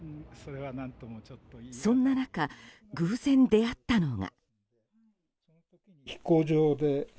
そんな中、偶然出会ったのが。